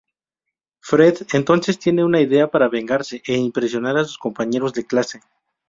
Fred entonces tiene una idea para vengarse e impresionar a sus compañeros de clase.